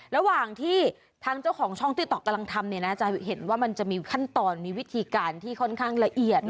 ระหว่างที่ทางเจ้าของช่องติ๊กต๊อกกำลังทำเนี่ยนะจะเห็นว่ามันจะมีขั้นตอนมีวิธีการที่ค่อนข้างละเอียด